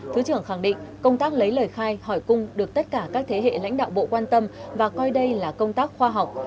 thứ trưởng khẳng định công tác lấy lời khai hỏi cung được tất cả các thế hệ lãnh đạo bộ quan tâm và coi đây là công tác khoa học